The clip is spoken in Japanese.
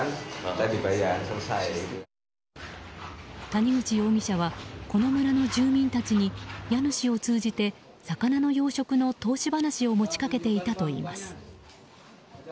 谷口容疑者はこの村の住民たちに家主を通じて魚の養殖の投資話を持ちかけていたといいます。